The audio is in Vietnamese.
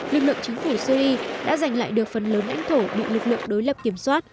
lực lượng chính phủ syri đã giành lại được phần lớn lãnh thổ bị lực lượng đối lập kiểm soát